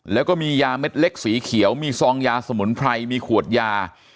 แล้วก็มียาเม็ดเล็กสีเขียวมีซองยาสมุนไพรมีขวดยา